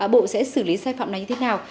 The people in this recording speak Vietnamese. bộ sẽ xử lý sai phạm này như thế nào